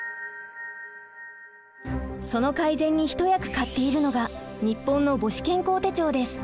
その改善に一役買っているのが日本の母子健康手帳です。